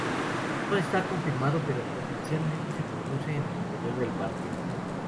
No está confirmado, pero potencialmente se produce en el interior del parque.